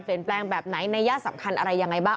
เปลี่ยนแปลงแบบไหนในญาติสำคัญอะไรยังไงบ้าง